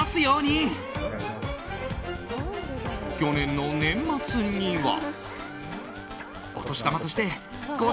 去年の年末には。